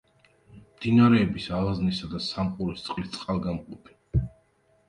მდინარეების ალაზნისა და სამყურისწყლის წყალგამყოფი.